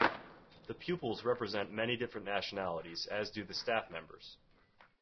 The pupils represent many different nationalities, as do the staff members.